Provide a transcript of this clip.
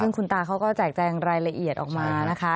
ซึ่งคุณตาเขาก็แจกแจงรายละเอียดออกมานะคะ